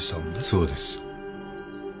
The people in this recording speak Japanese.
そうです。